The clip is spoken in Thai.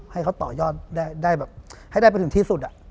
ให้เขาต่อยอดได้แบบให้ได้ไปถึงที่สุด